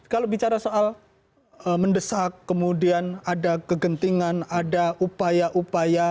kalau bicara soal mendesak kemudian ada kegentingan ada upaya upaya